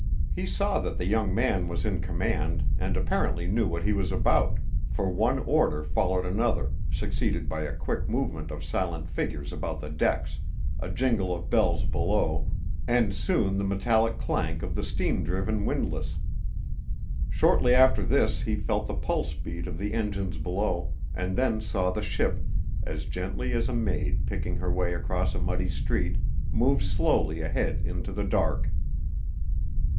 He saw that the young man was in command and apparently knew what he was about, for one order followed another, succeeded by a quick movement of silent figures about the decks, a jingle of bells below, and soon the metallic clank of the steam driven windlass. Shortly after this he felt the pulse beat of the engines below, and then saw the ship, as gently as a maid picking her way across a muddy street, move slowly ahead into the dark.